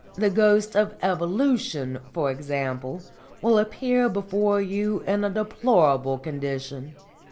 The ghost of Evolution, for example, will appear before you in a deplorable condition.